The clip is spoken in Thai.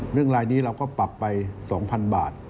รายนี้เราก็ปรับไป๒๐๐๐บาท